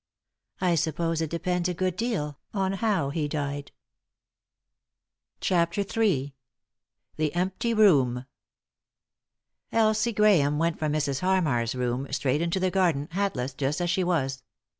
"I suppose it depends a good deal on how he died I" 3i 9 iii^d by Google CHAPTER III ' THE EMPTY ROOM Elsie Grahame went from Mrs. Hannar's room straight into the garden, hatless, just as she was.